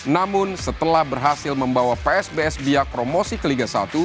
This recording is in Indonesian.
namun setelah berhasil membawa psbs biak promosi ke liga satu